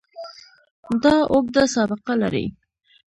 دا اوږده سابقه لري.